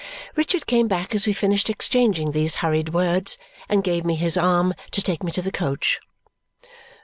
Richard came back as we finished exchanging these hurried words and gave me his arm to take me to the coach.